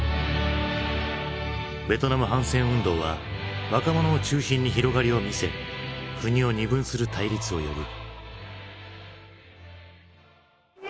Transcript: ベトナム反戦運動は若者を中心に広がりを見せ国を二分する対立を呼ぶ。